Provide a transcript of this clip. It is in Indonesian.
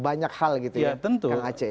banyak hal gitu ya kang aceh